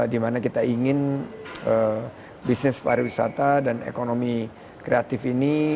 dimana kita ingin bisnis pariwisata dan ekonomi kreatif ini